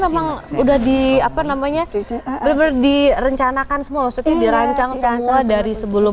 emang udah di apa namanya bener bener direncanakan semua maksudnya dirancang semua dari sebelum